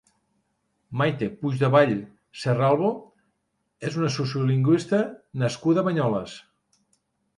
Maite Puigdevall Serralvo és una sociolingüista nascuda a Banyoles.